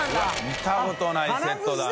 見たことないセットだな。